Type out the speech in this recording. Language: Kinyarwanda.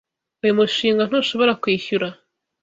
Uyu mushinga ntushobora kwishyura.